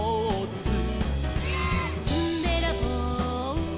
「ずんべらぼう」「」